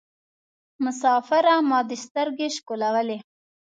مسافره ما دي سترګي شکولولې